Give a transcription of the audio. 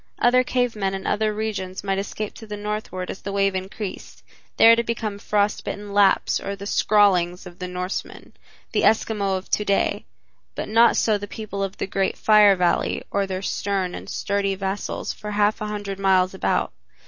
Other cave men in other regions might escape to the Northward as the wave increased, there to become frost bitten Lapps or the "Skrallings" of the Norsemen, the Eskimo of to day, but not so the people of the great Fire Valley or their stern and sturdy vassals for half a hundred miles about.